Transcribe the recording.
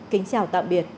kính chào tạm biệt